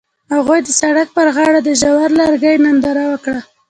هغوی د سړک پر غاړه د ژور لرګی ننداره وکړه.